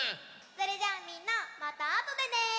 それじゃあみんなまたあとでね！